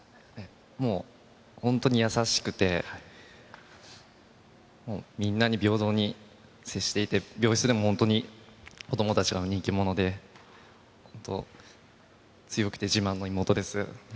もう、本当に優しくて、みんなに平等に接していて、病室でも本当に子どもたちの人気者で、本当、強くて自慢の妹です。